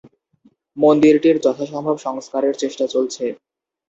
মন্দিরটির যথা সম্ভব সংস্কারের চেষ্টা চলছে।